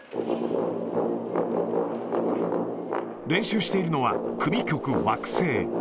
練習しているのは組曲惑星。